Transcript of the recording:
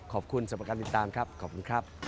ขอบคุณสำหรับการติดตามครับขอบคุณครับ